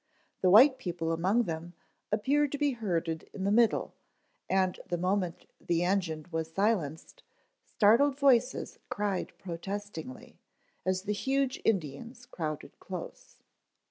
The white people among them appeared to be herded in the middle, and the moment the engine was silenced, startled voices cried protestingly, as the huge Indians crowded close.